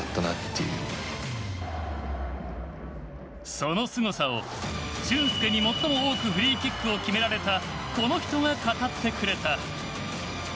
そのすごさを俊輔に最も多くフリーキックを決められたこの人が語ってくれた。